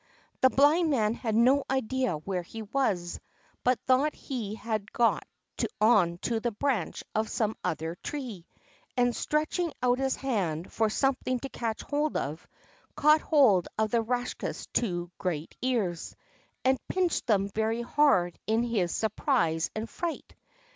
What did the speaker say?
The Blind Man had no idea where he was, but thought he had got on to the branch of some other tree; and, stretching out his hand for something to catch hold of, caught hold of the Rakshas's two great ears, and pinched them very hard in his surprise and fright.